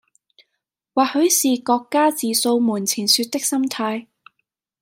或許是各家自掃門前雪的心態